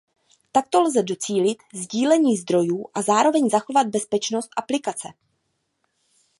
Takto lze docílit sdílení zdrojů a zároveň zachovat bezpečnost aplikace.